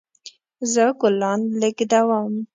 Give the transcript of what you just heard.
زه ګلان لیږدوم